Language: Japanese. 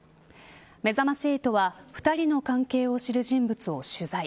めざまし８は、２人の関係を知る人物を取材。